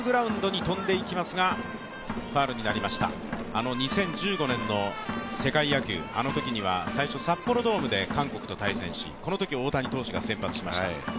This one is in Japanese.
あの２０１５年の世界野球、あのときには最初札幌ドームで韓国と対戦しこのとき大谷投手が先発しました。